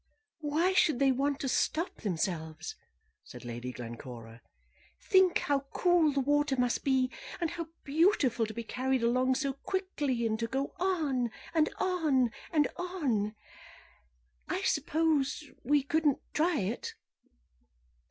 "Why should they want to stop themselves?" said Lady Glencora. "Think how cool the water must be, and how beautiful to be carried along so quickly, and to go on, and on, and on! I suppose we couldn't try it?"